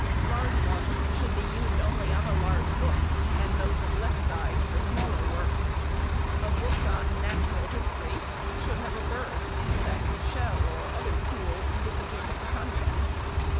Large ones should be used only on a large book, and those of less size for smaller works. A book on Natural History should have a bird, insect, shell, or other tool indicative of the contents.